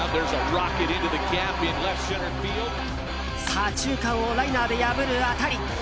左中間をライナーで破る当たり！